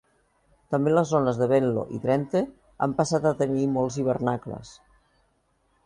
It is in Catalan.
També les zones de Venlo i Drenthe han passat a tenir molts hivernacles.